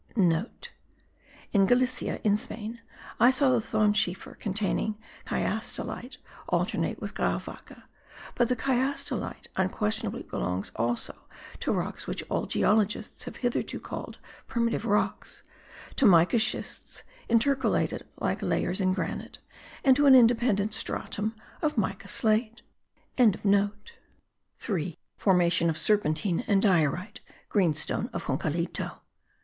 *(* In Galicia, in Spain, I saw the thonschiefer containing chiastholite alternate with grauwacke; but the chiastolite unquestionably belongs also to rocks which all geologists have hitherto called primitive rocks, to mica schists intercalated like layers in granite, and to an independent stratum of mica slate.) 3. FORMATION OF SERPENTINE AND DIORITE (GREEN STONE OF JUNCALITO.)